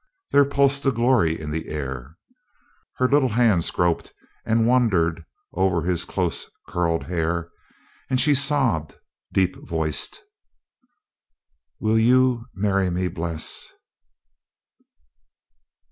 There pulsed a glory in the air. Her little hands groped and wandered over his close curled hair, and she sobbed, deep voiced: "Will you marry me, Bles?"